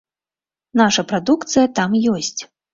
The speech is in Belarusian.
Наша прадукцыя там ёсць.